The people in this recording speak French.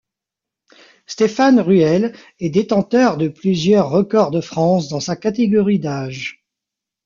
Stéphane Ruel est détenteur de plusieurs records de France dans sa catégorie d'âge.